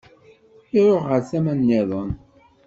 Iruḥ ɣer tama-nniḍen.